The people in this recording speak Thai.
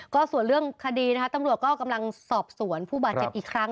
ก็ส่วนเรื่องคดีนะคะตำรวจก็กำลังสอบสวนผู้บาดเจ็บอีกครั้ง